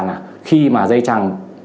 là khi mà dây chẳng